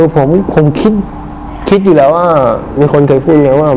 ผมคิดอยู่แล้วว่ามีคนเคยพูดไงว่า